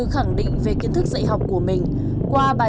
các sinh viên xem cái tâm lý của những học sinh